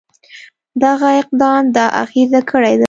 دغه اقدام د اغېزه کړې ده.